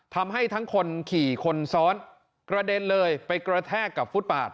ทำให้ทั้งคนขี่คนซ้อนกระเด็นเลยไปกระแทกกับฟุตปาด